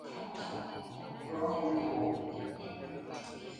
Supuestamente Jerjes sólo era reconocido en Persia y Sogdiano en Elam.